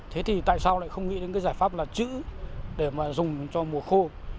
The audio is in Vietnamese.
thế thì tại sao lại không nghĩ đến cái giải pháp là chữ để mà dùng cho mùa khô